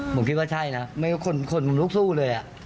ผมคิดว่าใช่นะคนลุกสู้เลย